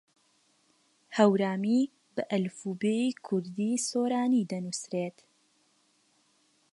هەورامی بە ئەلفوبێی کوردیی سۆرانی دەنووسرێت.